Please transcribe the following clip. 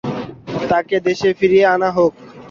তাঁকে দেশে ফিরিয়ে আনা হোক।